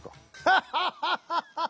ハハハハハ！